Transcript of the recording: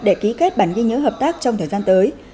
để ký kết bản ghi nhớ hợp tác trong thời gian tới